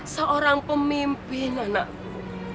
seorang pemimpin anakmu